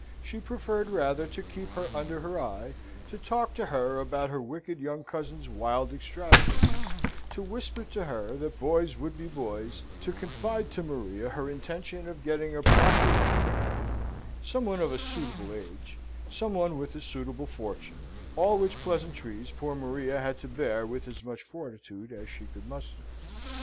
She preferred rather to keep her under her eye, to talk to her about her wicked young cousin's wild extravagances, to whisper to her that boys would be boys, to confide to Maria her intention of getting a proper wife for Harry, some one of a suitable age, some one with a suitable fortune, all which pleasantries poor Maria had to bear with as much fortitude as she could muster.